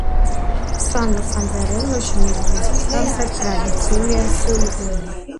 სვანურ სამზარეულოში მეგრულის მსგავსად ტრადიციულია სულგუნი.